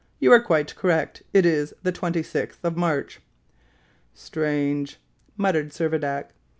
You are quite correct, it is the 26th of March." "Strange!" muttered Servadac.